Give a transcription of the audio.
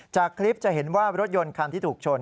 จากคลิปจะเห็นว่ารถยนต์คันที่ถูกชน